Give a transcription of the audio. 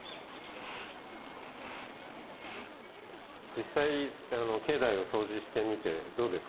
実際境内をそうじしてみてどうですか？